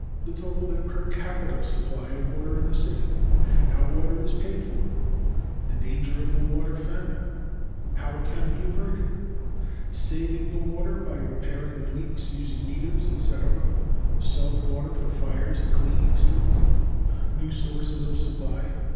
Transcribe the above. e. The total and per capita supply of water in the city. f. How water is paid for. g. The danger of a water famine. 1. How it can be averted. (a) Saving the water by the repairing of leaks, using meters, etc., salt water for fires and cleaning streets. (b) New sources of supply.